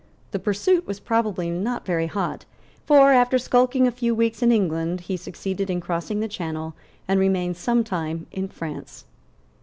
The pursuit was probably not very hot; for, after skulking a few weeks in England, he succeeded in crossing the Channel, and remained some time in France.